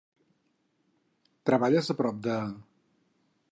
Treballes a prop de...?